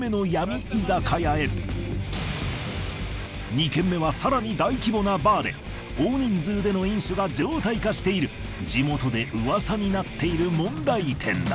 ２軒目はさらに大規模なバーで大人数での飲酒が常態化している地元でうわさになっている問題店だ。